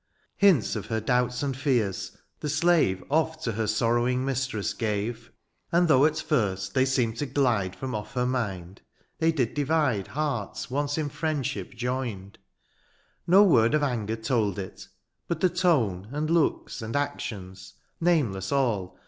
Hints of her doubts and fears, the slave Oft to her sorrowing mistress gave ; THE AREOPAGITE. 71 And though, at first, they seemed to glide From off her mind, they did divide Hearts once in friendship joined — no word Of anger told it, but the tone. And looks, and actions, nameless all.